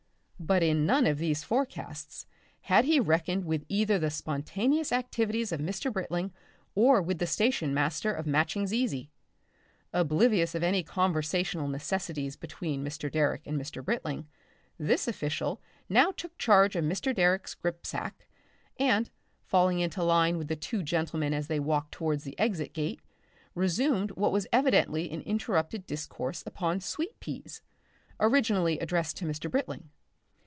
But in none of these forecasts had he reckoned with either the spontaneous activities of Mr. Britling or with the station master of Matching's Easy. Oblivious of any conversational necessities between Mr. Direck and Mr. Britling, this official now took charge of Mr. Direck's grip sack, and, falling into line with the two gentlemen as they walked towards the exit gate, resumed what was evidently an interrupted discourse upon sweet peas, originally addressed to Mr. Britling.